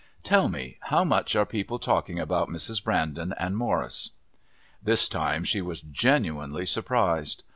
Tell me, how much are people talking about Mrs. Brandon and Morris?" This time she was genuinely surprised.